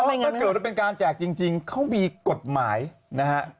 ถ้าเกิดว่าเป็นการแจกจริงเขามีกฎหมายนะฮะ